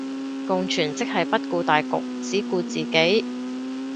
共存即係不顧大局只顧自己